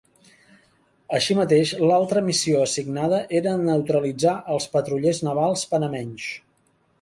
Així mateix l'altra missió assignada era neutralitzar els patrullers navals panamenys.